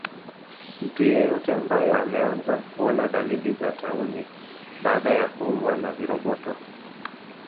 Mtu yeyote ambaye ameanza kuona dalili za tauni baada ya kuumwa na viroboto